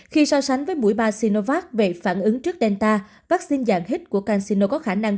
khi so sánh với mũi ba sinovac về phản ứng trước delta vaccine dạng hit của cansino có khả năng